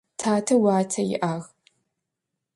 Татэ уатэ иӏагъ.